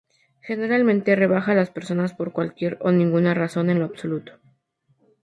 Generalmente rebaja a las personas por cualquier o ninguna razón en lo absoluto.